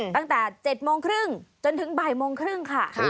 ตั้งแต่๗โมงครึ่งจนถึงบ่ายโมงครึ่งค่ะ